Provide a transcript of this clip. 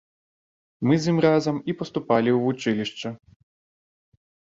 Мы з ім разам і паступалі ў вучылішча.